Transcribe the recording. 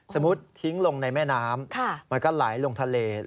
สมมุติทิ้งลงในแม่น้ำมันก็ไหลลงทะเล